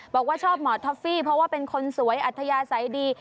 บอกว่าชอบหมอท็อฟฟี่เพราะว่าเป็นคนสวยอัธยาศัยดี